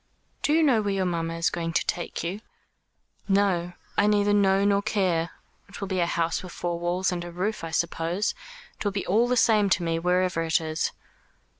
"Do you know where your mamma is going to take you?" "No; I neither know nor care. It will be to a house with four walls and a roof, I suppose. It will be all the same to me wherever it is."